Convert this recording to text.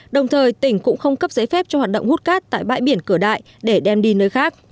đồng thời tỉnh cũng không cấp giấy phép cho hoạt động hút cát tại bãi biển cửa đại để đem đi nơi khác